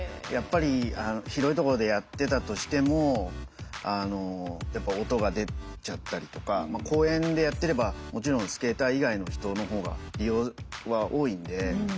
やっぱり広いところでやってたとしてもやっぱ音が出ちゃったりとか公園でやってればもちろんスケーター以外の人の方が利用は多いんで。